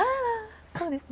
そうですね。